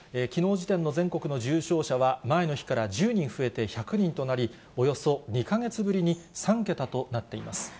きのう時点の全国の重症者は前の日から１０人増えて１００人となり、およそ２か月ぶりに３桁となっています。